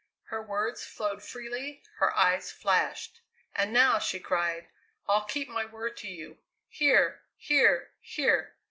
Her words flowed freely, her eyes flashed. [Illustration: "'And now,' she cried, 'I'll keep my word to you. Here! here! here!'